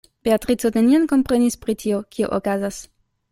Beatrico nenion komprenis pri tio, kio okazas.